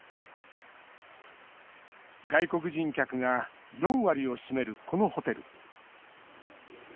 外国人客が４割を占めるこのホテル。